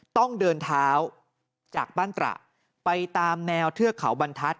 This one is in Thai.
ต้องเดินเท้าจากบ้านตระไปตามแนวเทือกเขาบรรทัศน